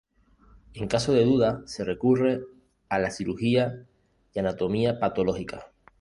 En caso de duda se recurre a la cirugía y anatomía patológica.